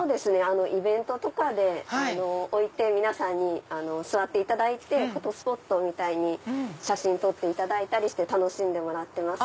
イベントとかで置いて皆さんに座っていただいてフォトスポットみたいに写真撮っていただいたりして楽しんでもらってます。